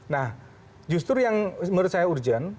nah justru yang menurut saya urgent